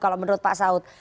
kalau menurut pak saud